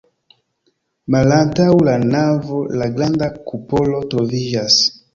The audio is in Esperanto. Malantaŭ la navo la granda kupolo troviĝas.